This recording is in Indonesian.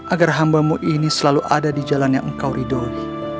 agar hambamu ini selalu ada di jalan yang engkau ridhoi